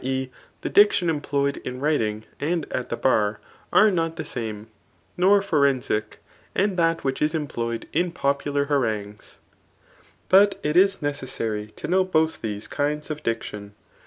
e. the dicdan employ ed in wriHng and at the bar] are not the same ^ nor forensic, and that which is employed in popular ha rangues. But it is necessary to know both these kinds of dic tion.